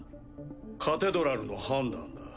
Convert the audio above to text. カテドラルの判断だ。